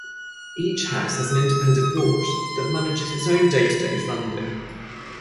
Each House has an independent board that manages its own day-to-day funding.